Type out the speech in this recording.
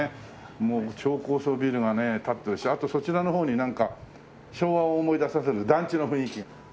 もう超高層ビルがね立ってるしあとそちらの方になんか昭和を思い出させる団地の雰囲気が。